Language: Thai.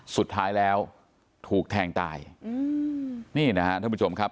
สุดท้ายแล้วถูกแทงตายอืมนี่นะฮะท่านผู้ชมครับ